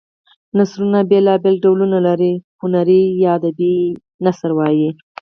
نثرونه بېلا بېل ډولونه لري هنري یا ادبي نثر وايي.